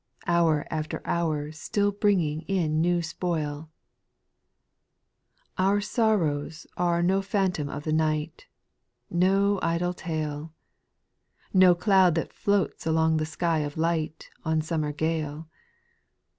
Hour after hour still bringing in new spoil, 3. Our sorrows are no phantom of the night, No idle tale ; No cloud that floats along a sky of light, On summer gale.